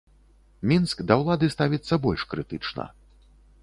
Мінск да ўлады ставіцца больш крытычна.